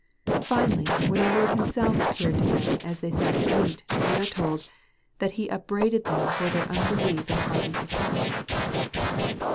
Finally, when our Lord Himself appeared to them as they sat at meat, we are told that " he upbraided them for their unbelief and hardness of heart."